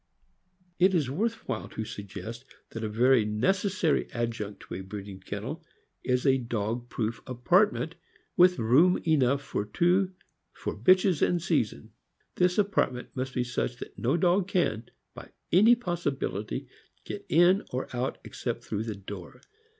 It is worth while to suggest that a very necessary adjunct to a breeding kennel is a dog proof apartment, with room enough for two, for bitches in season. This apartment must be such that no dog can, by any possibility, get in or out except through the door.